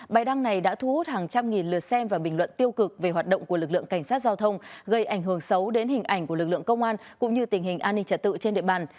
bài đăng này đã thu hút hàng trăm nghìn lượt xem và bình luận tiêu cực về hoạt động của lực lượng cảnh sát giao thông gây ảnh hưởng xấu đến hình ảnh của lực lượng công an cũng như tình hình an ninh trật tự trên địa bàn